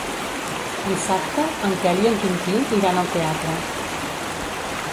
Dissabte en Quel i en Quintí iran al teatre.